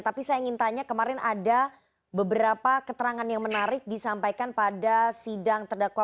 tapi saya ingin tanya kemarin ada beberapa keterangan yang menarik disampaikan pada sidang terdakwa